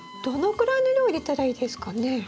どのくらいの量入れたらいいですかね？